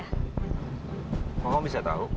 bagaimana bisa tahu